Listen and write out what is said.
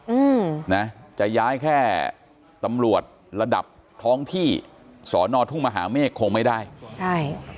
อืมนะจะย้ายแค่ตำรวจระดับท้องที่สอนอทุ่งมหาเมฆคงไม่ได้ใช่